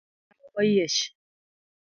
Orwako law moyiech